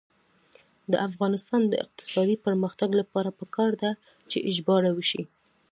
د افغانستان د اقتصادي پرمختګ لپاره پکار ده چې ژباړه وشي.